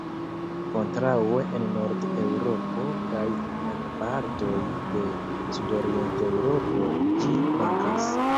Kontraŭe en Nord-Eŭropo kaj en partoj de Sudorient-Eŭropo ĝi mankas.